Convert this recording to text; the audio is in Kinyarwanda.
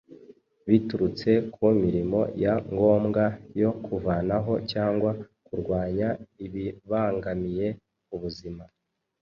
biturutse ku mirimo ya ngombwa yo kuvanaho cyangwa kurwanya ibibangamiye ubuzima